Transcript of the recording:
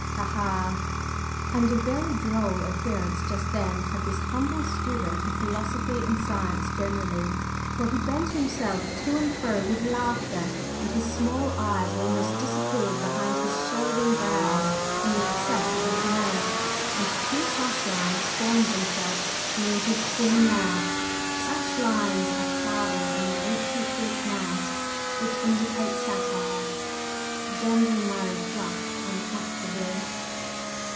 Ha! ha!" And a very droll appearance just then had this "humble student of philosophy and science generally," for he bent himself to and fro with laughter, and his small eyes almost disappeared behind his shelving brows in the excess of his mirth. And two crosslines formed themselves near his thin mouth such lines as are carven on the ancient Greek masks which indicate satire. Denzil Murray flushed uncomfortably.